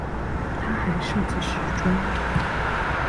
她还设计时装。